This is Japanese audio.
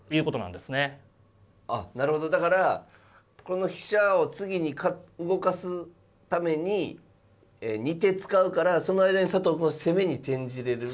あっなるほどだからこの飛車を次に動かすために２手使うからその間に佐藤くんは攻めに転じれる。